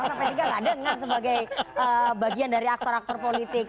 karena p tiga nggak dengar sebagai bagian dari aktor aktor politik